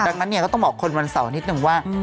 ดังนั้นเนี่ยก็ต้องบอกคนวันเสาร์นิดนึงว่า